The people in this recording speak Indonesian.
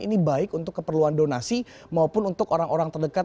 ini baik untuk keperluan donasi maupun untuk orang orang terdekat